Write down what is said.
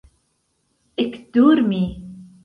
ekdormi